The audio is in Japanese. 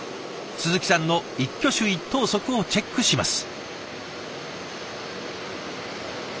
鈴木さんの一挙手一投足をチェックします。